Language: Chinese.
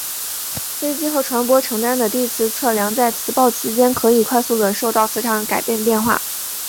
飞机和船舶承担的地磁测量在磁暴期间可以快速的受到磁场改变影响。